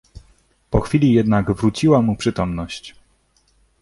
Po chwili jednak wróciła mu przytomność.